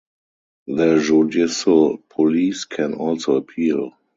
The judicial police can also appeal.